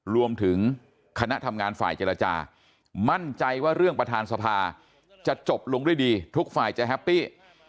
คณะทำงานฝ่ายเจรจามั่นใจว่าเรื่องประธานสภาจะจบลงด้วยดีทุกฝ่ายจะแฮปปี้